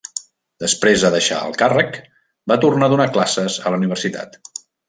Després de deixar el càrrec va tornar a donar classes a la Universitat.